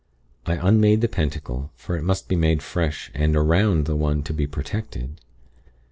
"I unmade the pentacle, for it must be made afresh and around the one to be protected.